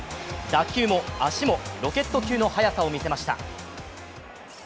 打球も足もロケット級の速さをみせました。